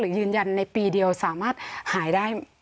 ยืนยันในปีเดียวสามารถหายได้